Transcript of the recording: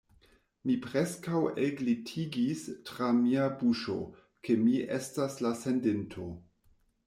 Mi preskaŭ elglitigis tra mia buŝo, ke mi estas la sendinto.